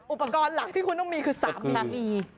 อุปกรณ์หลักที่คุณต้องมีคือสามี